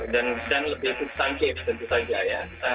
dan lebih susangkir tentu saja ya